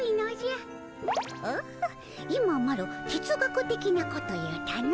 オッホ今マロ哲学的なこと言うたの。